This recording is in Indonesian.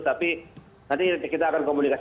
tapi nanti kita akan komunikasi